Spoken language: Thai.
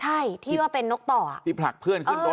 ใช่ที่ว่าเป็นนกต่ออ่ะที่ผลักเพื่อนขึ้นรถ